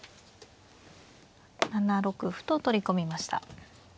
７六歩と取り込みました。